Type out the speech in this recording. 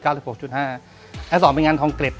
และ๒เป็นงานทองเกร็ด